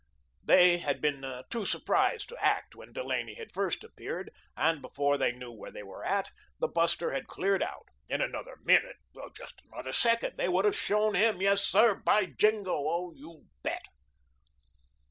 They had been too surprised to act when Delaney had first appeared, and before they knew where they were at, the buster had cleared out. In another minute, just another second, they would have shown him yes, sir, by jingo! ah, you bet!